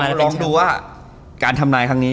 เราลองดูว่าการทำนายทางนี้